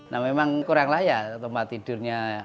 nah memang kurang layak tempat tidurnya